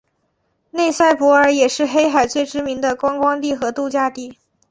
内塞伯尔也是黑海最知名的观光地和度假地。